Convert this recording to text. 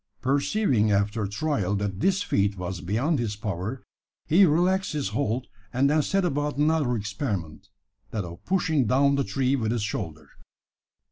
Perceiving after trial that this feat was beyond his power, he relaxed his hold, and then set about another experiment that of pushing down the tree with his shoulder.